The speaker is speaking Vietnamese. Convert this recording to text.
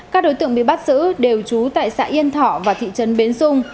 các đối tượng bị bắt giữ đều trú tại xã yên thọ và thị trấn bến sung